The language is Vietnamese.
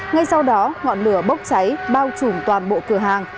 ngay sau đó ngọn lửa bốc cháy bao trùm toàn bộ cửa hàng